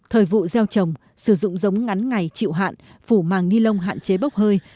thời vụ gieo trồng sử dụng giống ngắn ngày chịu hạn phủ màng ni lông hạn chế bốc hơi